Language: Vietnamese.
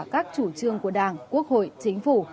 các chủ trương của đảng quốc hội chính phủ